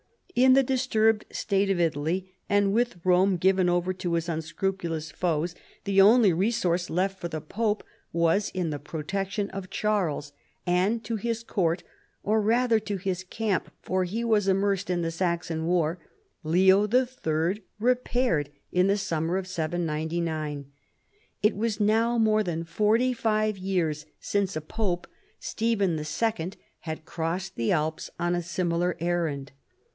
In the disturbed state of Italy, and with Rome given over to his unscrupulous foes, the only re 246 CHARLEMAGNE. source left for the pope was in the protection of Charles ; and to his court, or rather to his camp, for he was immersed in the Saxon war, Leo III. repaired in the summer of 799, It was now more than forty five years since a pope (Stephen II.) had crossed the Alps on a similar errand.